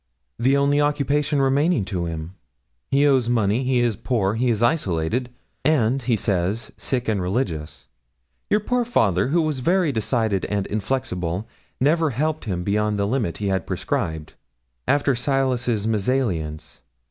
'The only occupation remaining to him. He owes money; he is poor; he is isolated; and he says, sick and religious. Your poor father, who was very decided and inflexible, never helped him beyond the limit he had prescribed, after Silas's mésalliance.